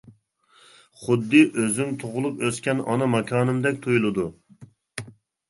خۇددى ئۆزۈم تۇغۇلۇپ ئۆسكەن ئانا ماكانىمدەك تۇيۇلىدۇ.